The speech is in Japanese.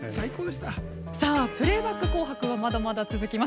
プレーバック「紅白」はまだまだ続きます。